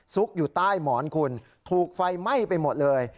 กอยู่ใต้หมอนคุณถูกไฟไหม้ไปหมดเลย